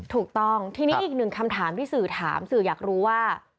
ถูกต้องทีนี้อีกหนึ่งคำถามที่สื่อถามสื่ออยากรู้ว่า